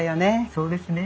そうですね。